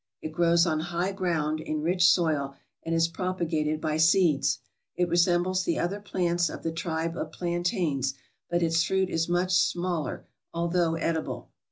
It grows on high ground, in rich soil, and is propagated by seeds. It re sembles the other plants of the tribe of plantains, but its fruit is much smaller, although edible.